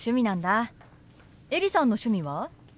エリさんの趣味は？